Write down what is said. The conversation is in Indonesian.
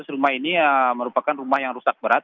tiga ratus rumah ini merupakan rumah yang rusak berat